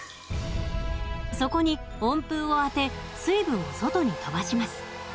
そこに温風をあて水分を外に飛ばします。